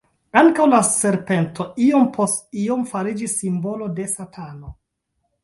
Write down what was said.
Ankaŭ la serpento iom post iom fariĝis simbolo de Satano.